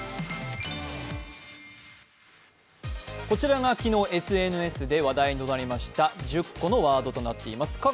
こちらが昨日ＳＮＳで話題となりました１０個のワードとなっています。